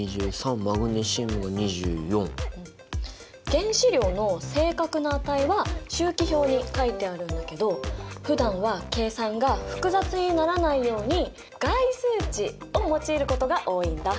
原子量の正確な値は周期表に書いてあるんだけどふだんは計算が複雑にならないように概数値を用いることが多いんだ。